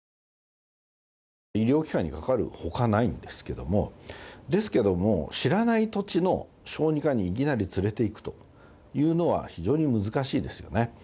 医療機関にかかるほかないんですけども、ですけども、知らない土地の小児科にいきなり連れていくというのは、非常に難しいですよね。